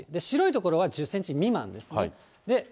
白い所は１０センチ未満ですね。